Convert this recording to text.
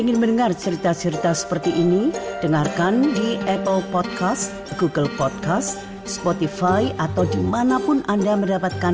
iya terima kasih banyak